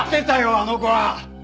あの子は！